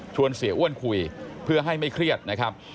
เสียอ้วนคุยเพื่อให้ไม่เครียดนะครับ